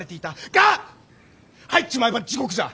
が入っちまえば地獄じゃ！